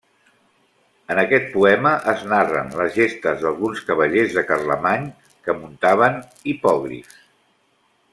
En aquest poema, es narren les gestes d'alguns cavallers de Carlemany que muntaven hipogrifs.